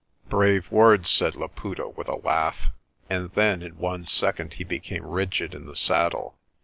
"Brave words," said Laputa with a laugh, and then in one second he became rigid in the saddle.